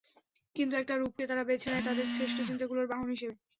কিন্তু একটা রূপকে তারা বেছে নেয় তাদের শ্রেষ্ঠ চিন্তাগুলোর বাহন হিসেবে।